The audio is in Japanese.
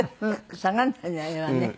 下がらないねあれはね。